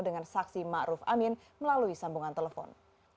dengan saksi ma'ruf amin melalui sambungan telepon